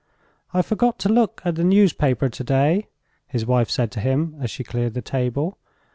"I forgot to look at the newspaper today," his wife said to him as she cleared the table.